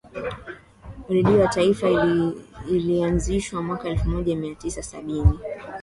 redio ya taifa ilianzishwa mwaka elfu moja mia tisa sabini